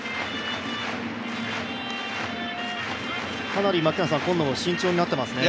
かなり今野も慎重になっていますね。